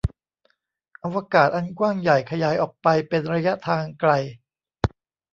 อวกาศอันกว้างใหญ่ขยายออกไปเป็นระยะทางไกล